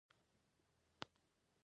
چین د نړیوالې پانګونې مرکز دی.